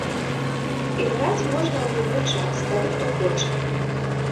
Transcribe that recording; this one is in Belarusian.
Іграць можна ў любы час, калі хто хоча.